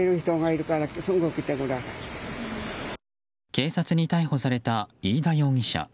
警察に逮捕された飯田容疑者。